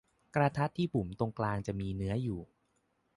กระทะที่บุ๋มตรงกลางจะมีเนื้ออยู่